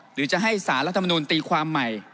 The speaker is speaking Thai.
หรือจะให้สารรัฐมนุนตีความใหม่